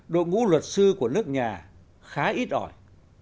đội ngũ luật sư của nước nhà khá ít ỏi